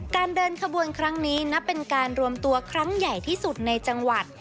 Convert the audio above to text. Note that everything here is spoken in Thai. เดินขบวนครั้งนี้นับเป็นการรวมตัวครั้งใหญ่ที่สุดในจังหวัด